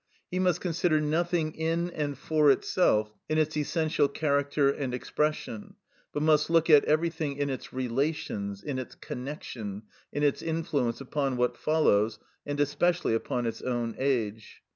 He must consider nothing in and for itself in its essential character and expression, but must look at everything in its relations, in its connection, in its influence upon what follows, and especially upon its own age.